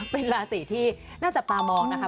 เป็นราศรีที่น่าจะปลามองนะครับ